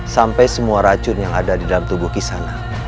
sampai semua racun yang ada di dalam tubuh kisana